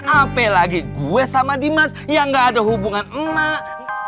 apalagi gue sama dimas yang gak ada hubungan emak